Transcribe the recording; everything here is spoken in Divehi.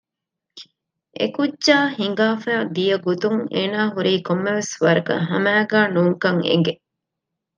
އެކުއްޖާ ހިނގާފައި ދިޔަގޮތުން އޭނާ ހުރީ ކޮންމެވެސް ވަރަކަށް ހަމައިގަ ނޫންކަން އެގެ